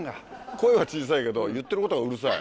声は小さいけど言ってることがうるさい。